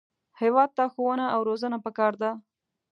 هېواد ته ښوونه او روزنه پکار ده